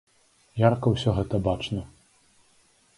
Ярка ўсё гэта бачна.